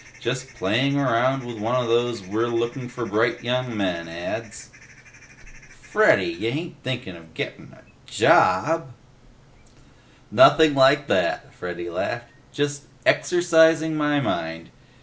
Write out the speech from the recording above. Just playing around with one of those 'We're looking for bright young men' ads." "Freddy! Y'ain't thinkin' a gettin' a JOB?" "Nothing like that," Freddy laughed. "Just, exercising my mind.